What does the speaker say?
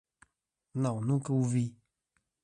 Não, nunca o vi.